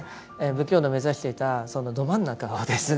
仏教の目指していたそのど真ん中をですね。